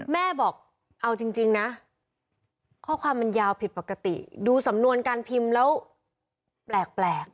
แม่บอกเอาจริงนะข้อความมันยาวผิดปกติดูสำนวนการพิมพ์แล้วแปลก